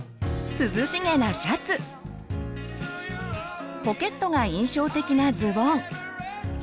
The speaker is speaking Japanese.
涼しげなシャツポケットが印象的なズボン